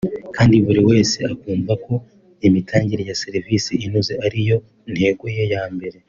kandi buri wese akumva ko imitangire ya serivisi inoze ari yo ntego ye ya mbere